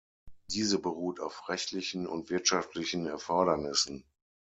Diese beruht auf rechtlichen und wirtschaftlichen Erfordernissen.